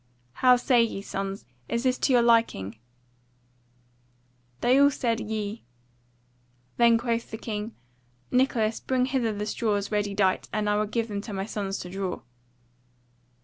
"How say ye, sons, is this to your liking?" They all said "yea." Then quoth the king; "Nicholas, bring hither the straws ready dight, and I will give them my sons to draw."